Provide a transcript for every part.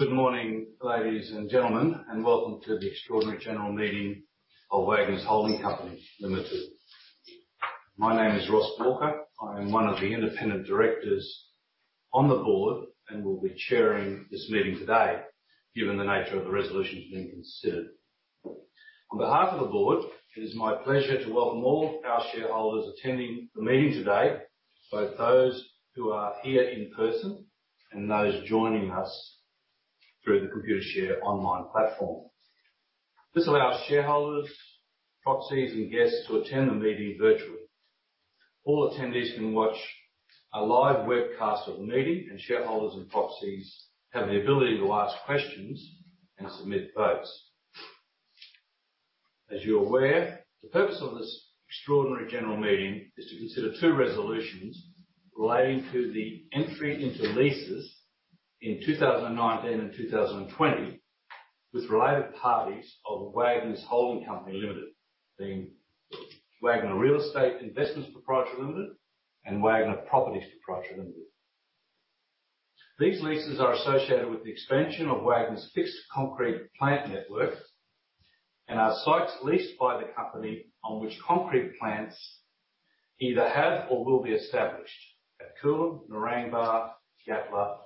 Good morning, ladies and gentlemen, and welcome to the Extraordinary General Meeting of Wagners Holding Company Limited. My name is Ross Walker. I am one of the independent directors on the board and will be chairing this meeting today, given the nature of the resolutions being considered. On behalf of the board, it is my pleasure to welcome all of our shareholders attending the meeting today, both those who are here in person and those joining us through the Computershare online platform. This allows shareholders, proxies, and guests to attend the meeting virtually. All attendees can watch a live webcast of the meeting, and shareholders and proxies have the ability to ask questions and submit votes. As you're aware, the purpose of this extraordinary general meeting is to consider two resolutions relating to the entry into leases in 2019 and 2020 with related parties of Wagners Holding Company Limited, being Wagner Real Estate Investments Pty Ltd and Wagner Properties Pty Ltd. These leases are associated with the expansion of Wagners' fixed concrete plant network and are sites leased by the company on which concrete plants either have or will be established at Coolum, Narangba, Yatala,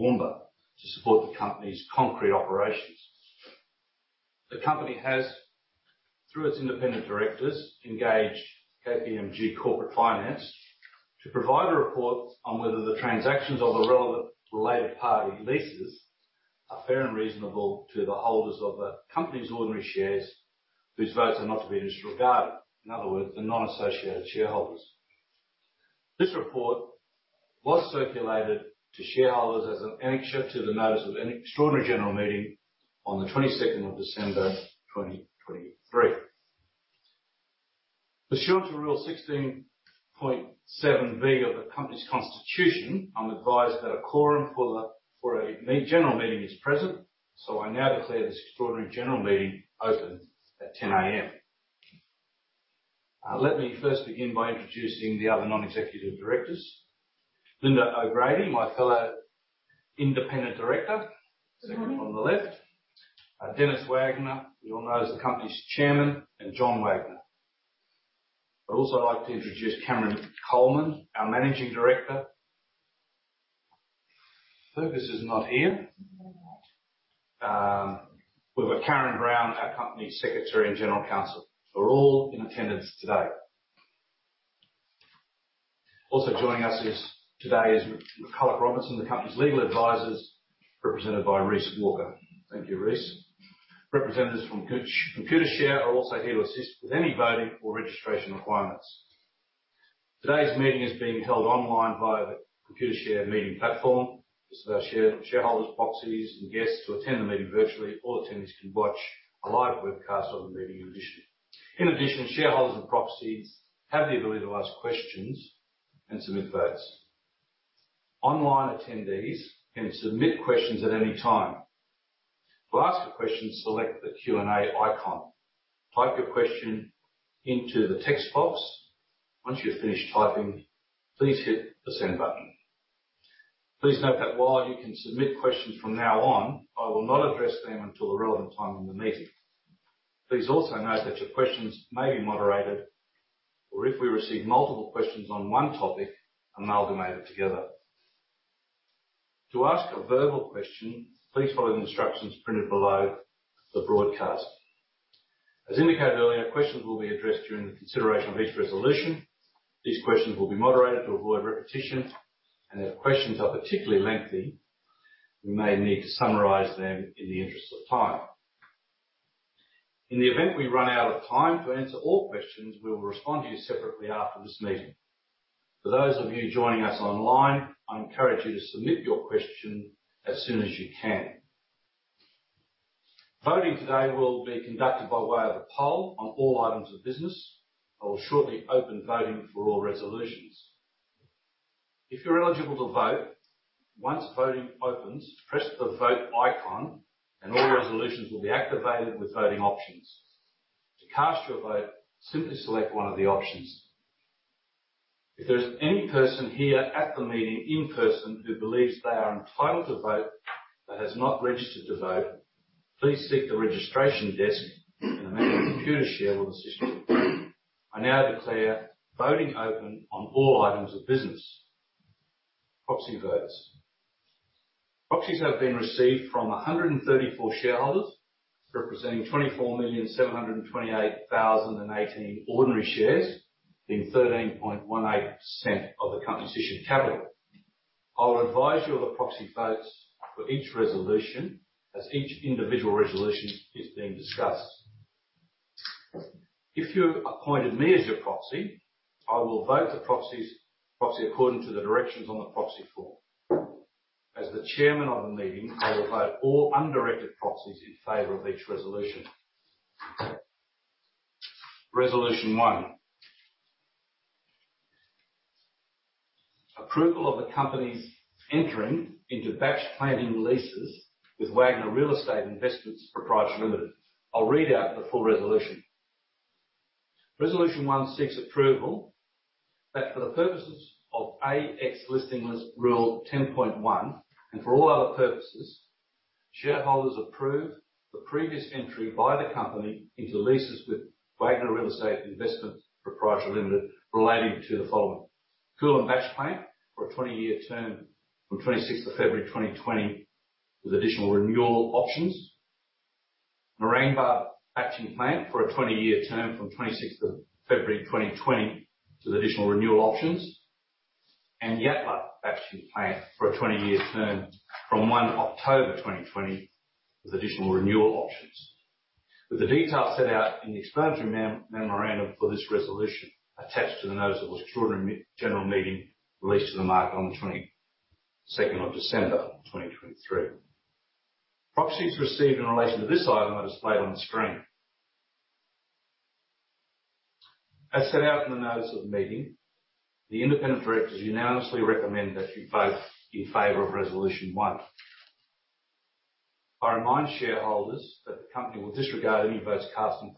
and Toowoomba to support the company's concrete operations. The company has, through its independent directors, engaged KPMG Corporate Finance to provide a report on whether the transactions of the relevant related party leases are fair and reasonable to the holders of the company's ordinary shares, whose votes are not to be disregarded. In other words, the non-associated shareholders. This report was circulated to shareholders as an annexure to the notice of an extraordinary general meeting on the twenty-second of December, twenty twenty-three. Pursuant to Rule 16.7B of the company's constitution, I'm advised that a quorum for the annual general meeting is present, so I now declare this extraordinary general meeting open at 10:00 AM. Let me first begin by introducing the other non-executive directors. Lynda O'Grady, my fellow independent director- Mm-hmm. second from the left, Denis Wagner, who you all know is the company's Chairman, and John Wagner. I'd also like to introduce Cameron Coleman, our Managing Director. Fergus is not here. We've got Karen Brown, our Company Secretary and General Counsel, who are all in attendance today. Also joining us today is McCullough Robertson, the company's legal advisors, represented by Ross Walker. Thank you, Ross. Representatives from Computershare are also here to assist with any voting or registration requirements. Today's meeting is being held online via the Computershare meeting platform. This allows shareholders, proxies, and guests to attend the meeting virtually. All attendees can watch a live webcast of the meeting in addition. In addition, shareholders and proxies have the ability to ask questions and submit votes. Online attendees can submit questions at any time. To ask a question, select the Q&A icon. Type your question into the text box. Once you're finished typing, please hit the Send button. Please note that while you can submit questions from now on, I will not address them until the relevant time in the meeting. Please also note that your questions may be moderated, or if we receive multiple questions on one topic, amalgamated together. To ask a verbal question, please follow the instructions printed below the broadcast. As indicated earlier, questions will be addressed during the consideration of each resolution. These questions will be moderated to avoid repetition, and if questions are particularly lengthy, we may need to summarize them in the interest of time. In the event we run out of time to answer all questions, we will respond to you separately after this meeting. For those of you joining us online, I encourage you to submit your question as soon as you can. Voting today will be conducted by way of a poll on all items of business. I will shortly open voting for all resolutions. If you're eligible to vote, once voting opens, press the Vote icon and all resolutions will be activated with voting options. To cast your vote, simply select one of the options. If there is any person here at the meeting in person who believes they are entitled to vote, but has not registered to vote, please seek the registration desk, and a member of Computershare will assist you. I now declare voting open on all items of business. Proxy votes. Proxies have been received from 134 shareholders, representing 24,728,018 ordinary shares, being 13.18% of the company's issued capital. I will advise you of the proxy votes for each resolution as each individual resolution is being discussed. If you appointed me as your proxy, I will vote the proxies according to the directions on the proxy form. As the chairman of the meeting, I will vote all undirected proxies in favor of each resolution. Resolution one. Approval of the company's entering into batching plant leases with Wagner Real Estate Investments Pty Ltd. I'll read out the full resolution. Resolution one seeks approval that for the purposes of ASX Listing Rule 10.1, and for all other purposes, shareholders approve the previous entry by the company into leases with Wagner Real Estate Investments Pty Ltd, relating to the following: Coolum Batch Plant released to the market on the 22nd of December 2023. Proxies received in relation to this item are displayed on the screen. As set out in the notice of the meeting, the independent directors unanimously recommend that you vote in favor of resolution 2. I remind that shareholders that the company will disregard any votes cast in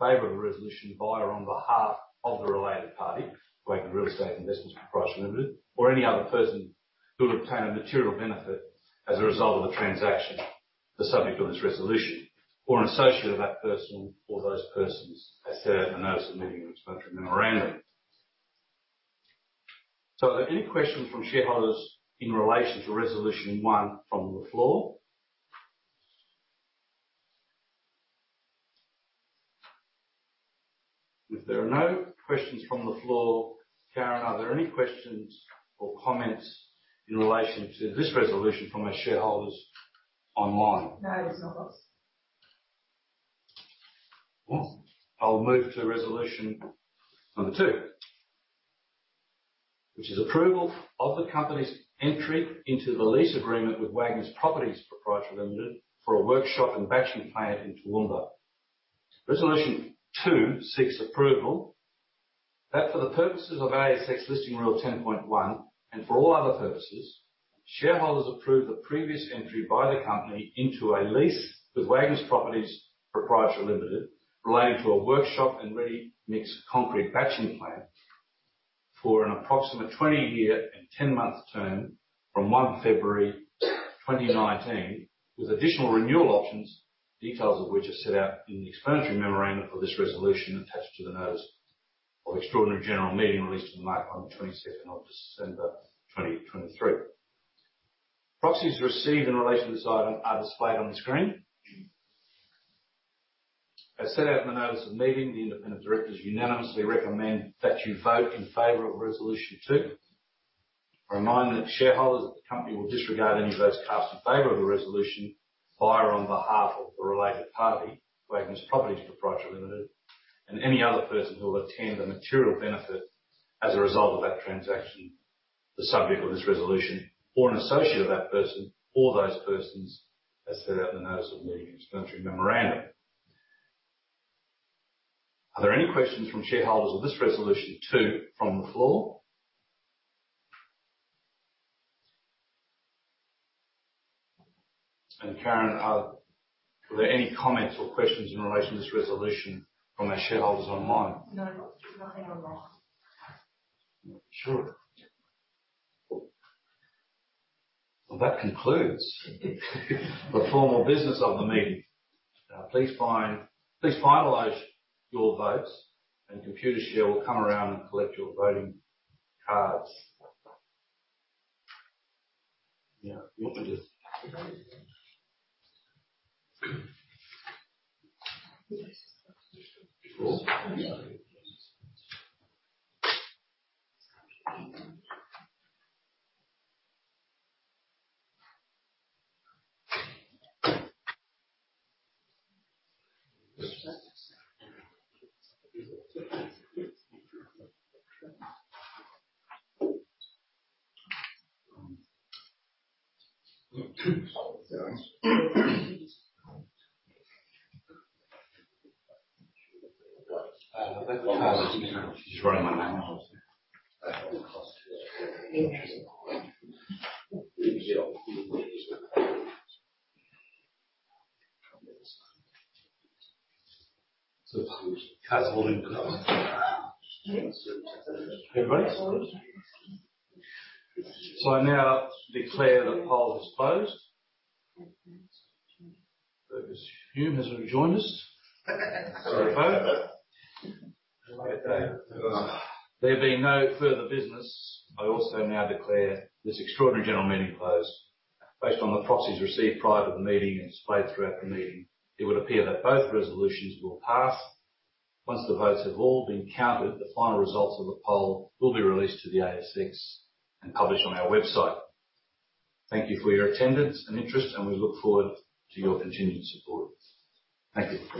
favor of the resolution by or on behalf of the related party, Wagner Properties Pty Ltd, and any other person who will obtain the material benefit as a result of that transaction, the subject of this resolution, or an associate of that person or those persons, as set out in the notice of the meeting explanatory memorandum. Are there any questions from shareholders of this resolution two, from the floor? And Karen, are there any comments or questions in relation to this resolution from our shareholders online? No, nothing online. Sure. Well, that concludes the formal business of the meeting. Please finalize your votes, and Computershare will come around and collect your voting cards. So I now declare the poll is closed. Fergus Hume has rejoined us. There being no further business, I also now declare this Extraordinary General Meeting closed. Based on the proxies received prior to the meeting and displayed throughout the meeting, it would appear that both resolutions will pass. Once the votes have all been counted, the final results of the poll will be released to the ASX and published on our website. Thank you for your attendance and interest, and we look forward to your continued support. Thank you.